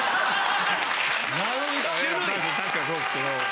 確かにそうですけど。